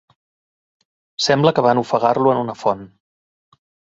Sembla que van ofegar-lo en una font.